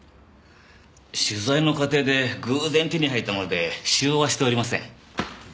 取材の過程で偶然手に入ったもので使用はしておりません。